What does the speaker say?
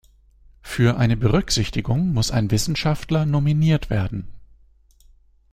Für eine Berücksichtigung muss ein Wissenschaftler nominiert werden.